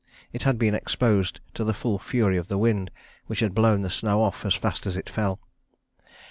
It had been exposed to the full fury of the wind, which had blown the snow off as fast as it fell.